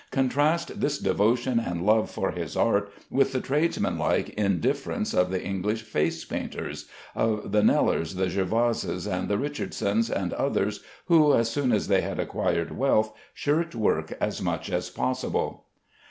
Contrast this devotion and love for his art with the tradesman like indifference of the English face painters, of the Knellers, the Jervases, and the Richardsons, and others who, as soon as they had acquired wealth, shirked work as much as possible.